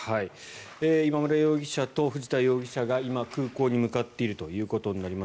今村容疑者と藤田容疑者が今、空港に向かっているということになります。